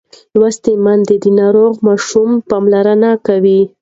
لوستې میندې د ناروغ ماشوم پاملرنه کوي.